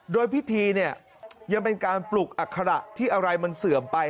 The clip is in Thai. โดยพิธีเนี่ยยังเป็นการปลุกอัคระที่อะไรมันเสื่อมไป